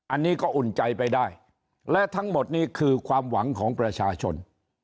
อันนี้ก็อุ่นใจไปได้และทั้งหมดนี้คือความหวังของประชาชน